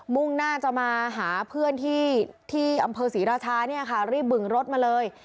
มุ่งหน้าจะมาหาเพื่อนที่อำเภอศรีราชาเนี่ยค่ะรีบบึงรถมาเลย